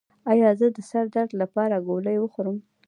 ایا زه د سر درد لپاره ګولۍ وخورم؟